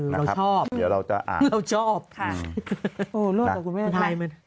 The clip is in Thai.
อย่าท่อมเดี๋ยวเราจะอ่าน